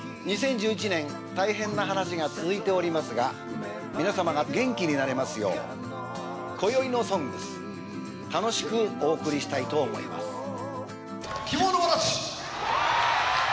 ２０１１年大変な話が続いておりますが皆様が元気になれますよう今宵の「ＳＯＮＧＳ」楽しくお送りしたいと思います